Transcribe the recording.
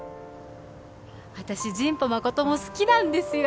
私真保誠も好きなんですよ